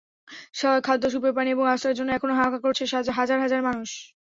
খাদ্য, সুপেয় পানি এবং আশ্রয়ের জন্য এখনো হাহাকার করছে হাজার হাজার মানুষ।